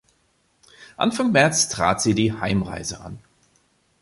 Anfang März trat sie die Heimreise an.